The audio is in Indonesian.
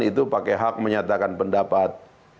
itu pakai hak menyatakan pendapat